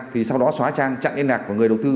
thì sau đó xóa trang chặn yên nạc của người đầu tư